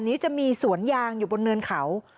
นี้จะมีสวนยางอยู่บนเนินเขา